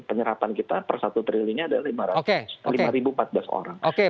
penyerapan kita per satu triliunnya adalah lima empat belas orang